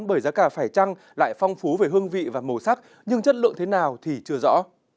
bởi giá cả phải trăng lại phong phú về hương vị và màu sắc nhưng chất lượng thế nào thì chưa rõ